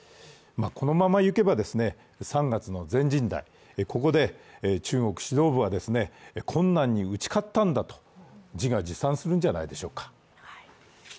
このままいけば３月の全人代で中国指導部は困難に打ち勝ったんだと自画自賛するんじゃないでしょうか。